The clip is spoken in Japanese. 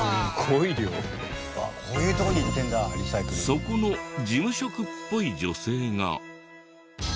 そこの事務職っぽい女性が。